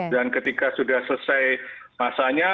dan ketika sudah selesai masanya